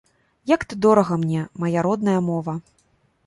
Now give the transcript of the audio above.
Як ты дорага мне, мая родная мова!